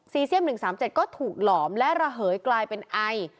เซียม๑๓๗ก็ถูกหลอมและระเหยกลายเป็นไอ